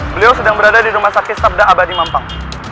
beliau sedang berada di rumah sakit sabda abadi mampang